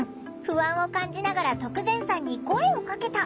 不安を感じながら徳善さんに声をかけた。